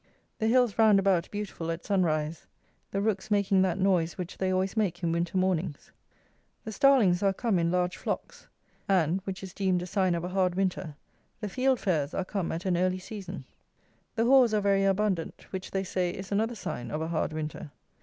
The hills round about beautiful at sun rise, the rooks making that noise which they always make in winter mornings. The Starlings are come in large flocks; and, which is deemed a sign of a hard winter, the Fieldfares are come at an early season. The haws are very abundant; which, they say, is another sign of a hard winter.